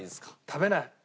食べない。